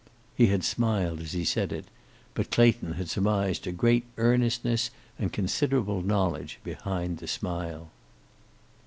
He had smiled as he said it, but Clayton had surmised a great earnestness and considerable knowledge behind the smile.